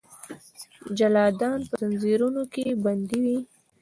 جلادان به ځنځیرونو کې بندي وي.